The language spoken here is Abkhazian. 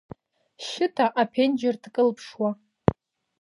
Шьыта аԥенџьнр дкылԥшуа.